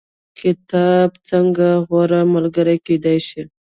کتاب څنګه غوره ملګری کیدی شي؟